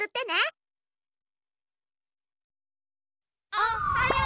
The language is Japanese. おっはよう！